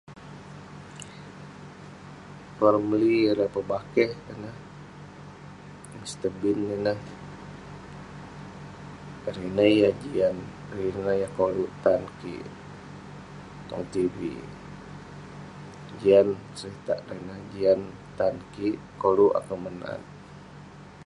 Ramlee ireh pebakeh ineh, Mr Bean ineh, ireh ineh yah jian..ireh yah koluk tan kik tong tv,jian seritak jian tan kik, koluk akouk menat